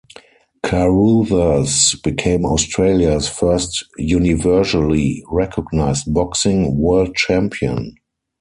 Carruthers became Australia's first universally recognised boxing World Champion.